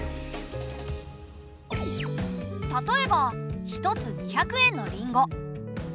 例えば１つ２００円のりんご。